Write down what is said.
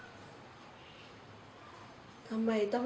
แล้วบอกว่าไม่รู้นะ